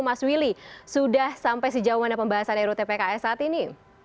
mas willy sudah sampai sejauh mana pembahasan ruu tpks saat ini